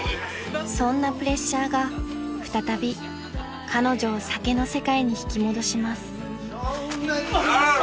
［そんなプレッシャーが再び彼女を酒の世界に引き戻します］